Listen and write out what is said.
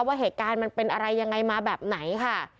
ว่าเหตุการณ์มันเป็นอะไรยังไงมาแบบไหนค่ะ